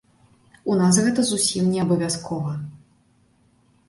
У нас гэта зусім неабавязкова.